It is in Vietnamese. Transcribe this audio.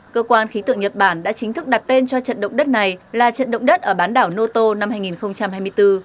cơ quan khí tượng nhật bản đã chính thức đặt tên cho trận động đất này là trận động đất ở bán đảo noto năm hai nghìn hai mươi bốn